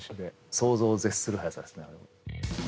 想像を絶する速さですねあれは。